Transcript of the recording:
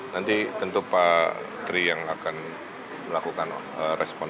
nanti tentu pak tri yang akan melakukan respon